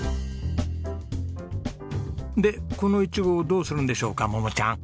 でこのイチゴをどうするんでしょうか桃ちゃん。